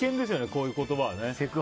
こういう言葉はね。